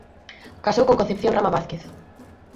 Casou con Concepción Rama Vázquez.